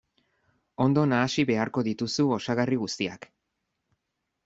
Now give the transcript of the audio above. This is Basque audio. Ondo nahasi beharko dituzu osagarri guztiak.